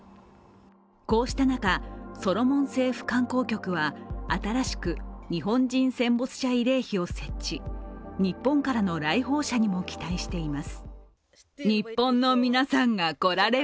こうした中、ソロモン政府観光局は新しく日本人戦没者慰霊碑を設置、日本からの来訪者にも期待しています。